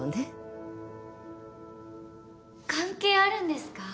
関係あるんですか？